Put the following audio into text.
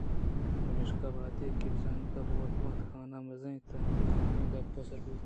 پمیشا وہدے کہ آ بَزگراں ہور بُت خانہ ءِ مزنیں تہتگانی دپ ءَ سربُوت